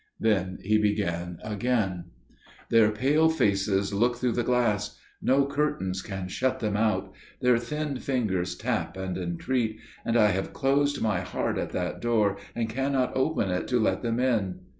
Then he began again: "Their pale faces look through the glass; no curtains can shut them out. Their thin fingers tap and entreat.... And I have closed my heart at that door and cannot open it to let them in....